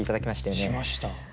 しました。